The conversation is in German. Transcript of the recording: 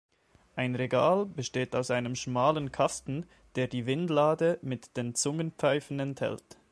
Ein Regal besteht aus einem schmalen Kasten, der die Windlade mit den Zungenpfeifen enthält.